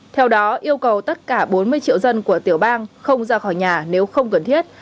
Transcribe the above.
theo đó yêu cầu tất cả bốn mươi triệu dân của tiểu bang không ra khỏi nhà nếu không cần thiết